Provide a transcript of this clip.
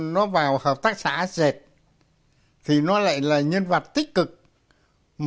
nhà lầu xe hơi nhiễm